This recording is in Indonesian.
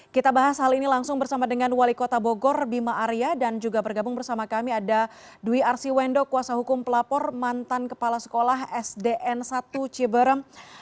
kita bahas hal ini langsung bersama dengan wali kota bogor bima arya dan juga bergabung bersama kami ada dwi arsiwendo kuasa hukum pelapor mantan kepala sekolah sdn satu ciberem